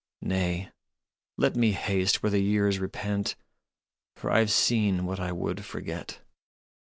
" Nay, let me haste where the years repent, For I ve seen what I would forget."